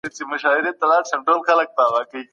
ولي نړیوال سازمان په نړیواله کچه ارزښت لري؟